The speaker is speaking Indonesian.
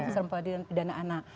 selembabadi dan pidana anak